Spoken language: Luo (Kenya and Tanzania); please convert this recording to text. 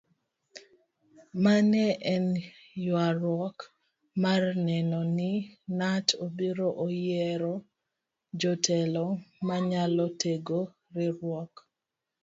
Ma ne en yuaruok mar neno ni knut obiro oyiero jotelo manyalo tego riwruokno.